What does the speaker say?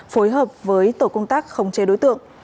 phối hợp với tổ công tác khống chế đối tượng